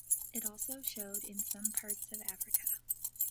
It also showed in some parts of Africa.